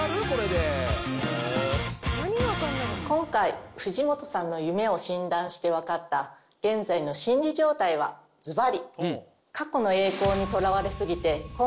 今回藤本さんの夢を診断して分かった現在の心理状態はズバリ。